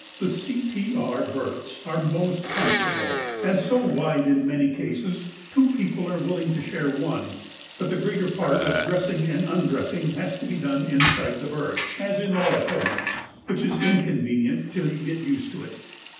The C.P.R. berths are most comfortable, and so wide that in many cases two people are willing to share one, but the greater part of dressing and undressing has to be done inside the berth, as in all Pullmans, which is inconvenient till you get used to it.